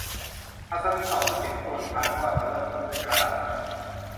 อัศวินตอบด้วยเสียงครวญครางว่า มันเริ่มต้นด้วยกระดาษซับหมึก